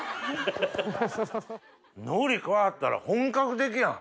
海苔加わったら本格的やん。